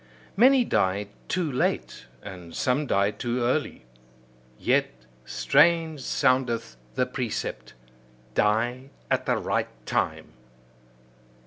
Many die too late, and some die too early. Yet strange soundeth the precept: "Die at the right time!"